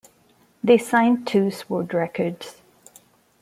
They signed to Sword Records.